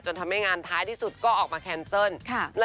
ทำให้งานท้ายที่สุดก็ออกมาแคนเซิล